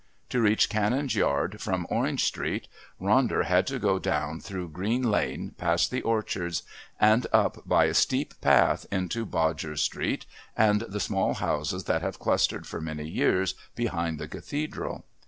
To reach Canon's Yard from Orange Street, Ronder had to go down through Green Lane past the Orchards, and up by a steep path into Bodger's Street and the small houses that have clustered for many years behind the Cathedral.